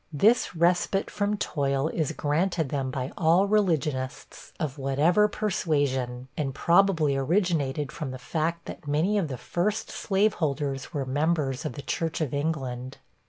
This respite from toil is granted them by all religionists, of whatever persuasion, and probably originated from the fact that many of the first slaveholders were members of the Church of England.